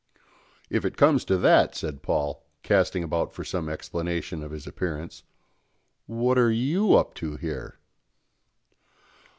"If it comes to that," said Paul, casting about for some explanation of his appearance, "what are you up to here?"